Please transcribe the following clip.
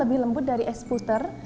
lebih lembut dari es puter